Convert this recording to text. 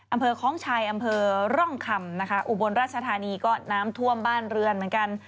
อำเภอคล้องชัยอำเภอร่องคำนะคะอุบลราชธานีก็น้ำท่วมบ้านเรือนเหมือนกัน